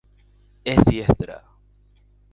Es diestra.